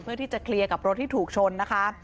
เพื่อที่จะเคลียร์กับรถที่ถูกชนนะคะ